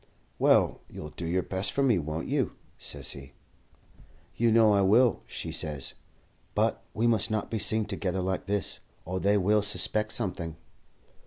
"'Well, you'll do your best for me, won't you?' says he. "'You know I will,' she says; 'but we must not be seen together like this, or they will suspect something.'